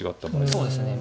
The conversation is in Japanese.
そうですね。